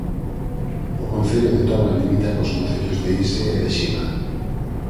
O concello de Toba limita cos concellos de Ise e de Shima.